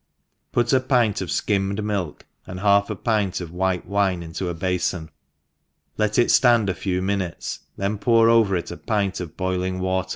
r PUT a pint of fkimmed milk, and half a pint of white wine into a bafon, let it fland a few minutes, then pour over it a pint of boiling wa